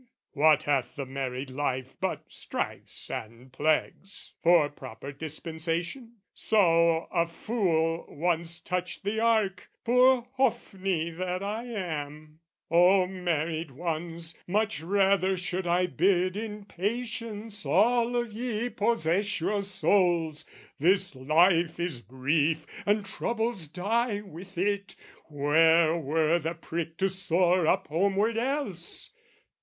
"What hath the married life but strifes and plagues "For proper dispensation? So a fool "Once touched the ark, poor Hophni that I am! "Oh married ones, much rather should I bid, "In patience all of ye possess your souls! "This life is brief and troubles die with it: "Where were the prick to soar up homeward else?"